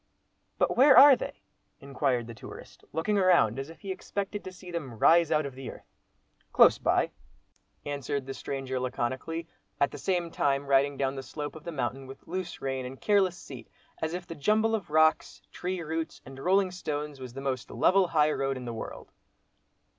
"But where are they?" inquired the tourist, looking around, as if he expected to see them rise out of the earth. "Close by," answered the stranger, laconically, at the same time riding down the slope of the mountain with loose rein, and careless seat, as if the jumble of rocks, tree roots, and rolling stones, was the most level high road in the world.